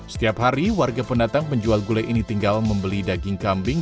setiap hari warga pendatang penjual gulai ini tinggal membeli daging kambing